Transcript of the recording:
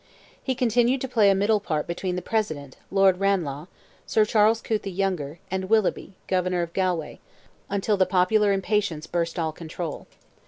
He continued to play a middle part between the President, Lord Ranelagh, Sir Charles Coote the younger, and Willoughby, Governor of Galway, until the popular impatience burst all control.